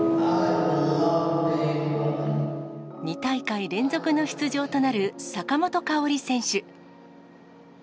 ２大会連続出場となる坂本花織選手。